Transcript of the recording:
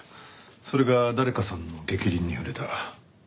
それが誰かさんの逆鱗に触れた。